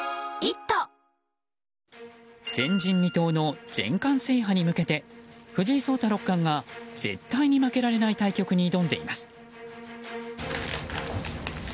前人未到の全冠制覇に向けて藤井聡太六冠が絶対に負けられない対局に挑んでいます。